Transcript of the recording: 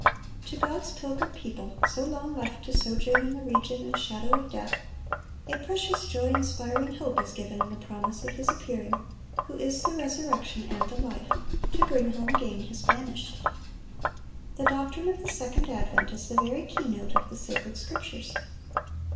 To God's pilgrim people, so long left to sojourn in "the region and shadow of death," a precious, joy inspiring hope is given in the promise of His appearing, who is "the resurrection and the life," to "bring home again His banished." The doctrine of the second advent is the very key note of the Sacred Scriptures.